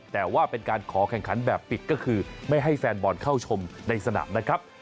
แต่ว่าเป็นการขอแข่งขันแบบปิดก็คือไม่ให้แฟนบอลเข้าชมในสนามนะครับ